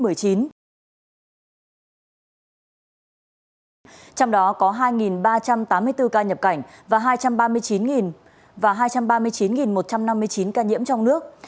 trong đó có hai ba trăm tám mươi bốn ca nhập cảnh và hai trăm ba mươi chín một trăm năm mươi chín ca nhiễm trong nước